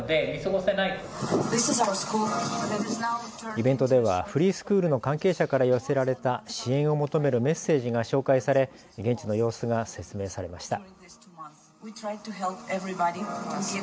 イベントではフリースクールの関係者から寄せられた支援を求めるメッセージが紹介され現地の様子が説明されました。